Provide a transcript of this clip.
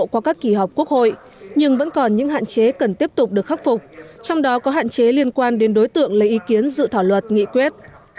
qua các kỳ họp quốc hội nhưng vẫn còn những hạn chế cần tiếp tục được khắc phục trong đó có hạn chế liên quan đến đối tượng lấy ý kiến dự thảo luật nghị quyết